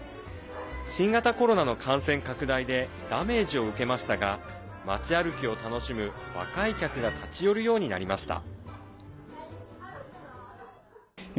新型コロナの感染拡大でダメージを受けましたが街歩きを楽しむ若い客が立ち寄るようになりました。